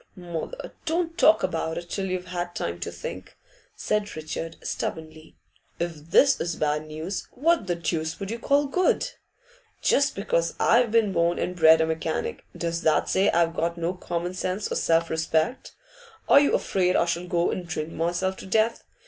'Mother, don't talk about it till you've had time to think,' said Richard, stubbornly. 'If this is bad news, what the deuce would you call good? Just because I've been born and bred a mechanic, does that say I've got no common sense or self respect? Are you afraid I shall go and drink myself to death?